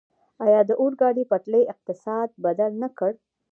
آیا د اورګاډي پټلۍ اقتصاد بدل نه کړ؟